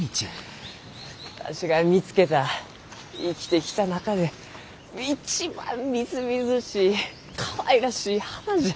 わしが見つけた生きてきた中で一番みずみずしいかわいらしい花じゃ。